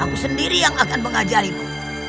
aku sendiri yang akan mengajarimu